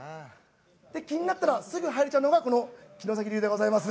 気になったらすぐ入っちゃうのが城崎流でございます。